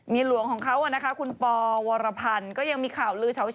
มีหลวงของเขาคุณปอวรพันยังมีข่าวลือเฉา